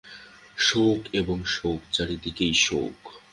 শোক এবং শোক, চারদিকেই শোক।